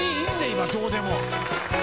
今どうでも。